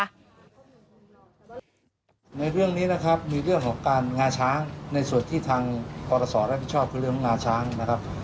ในเรื่องนี้นะครับมีเรื่องของการงาช้างในส่วนที่ทางปรศรับผิดชอบคือเรื่องงาช้างนะครับ